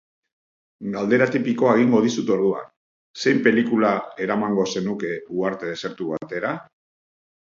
Galdera tipikoa egingo dizut orduan, zein pelikula eramango zenuke uharte desertu batera?